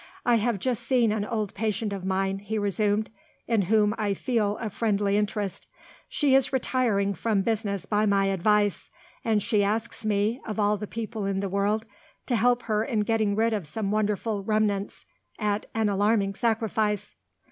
"I have just seen an old patient of mine," he resumed, "in whom I feel a friendly interest. She is retiring from business by my advice; and she asks me, of all the people in the world, to help her in getting rid of some wonderful 'remnants,' at 'an alarming sacrifice!